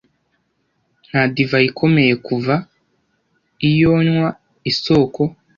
Nta divayi ikomeye kuva, iyo nywa, isoko